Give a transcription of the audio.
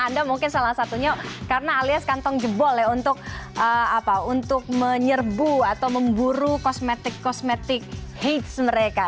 anda mungkin salah satunya karena alias kantong jebol ya untuk menyerbu atau memburu kosmetik kosmetik hates mereka